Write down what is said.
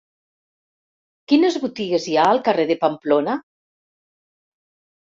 Quines botigues hi ha al carrer de Pamplona?